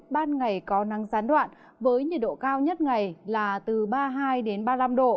ban ngày có nắng gián đoạn với nhiệt độ cao nhất ngày là từ ba mươi hai ba mươi năm độ